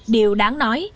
điều đáng nói